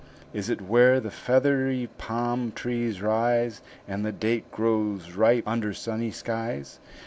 "Is it where the feathery palm trees rise, And the date grows ripe under sunny skies?